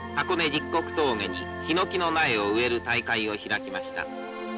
十国峠にヒノキの苗を植える大会を開きました。